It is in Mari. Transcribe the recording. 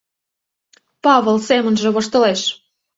Павыл семынже воштылеш.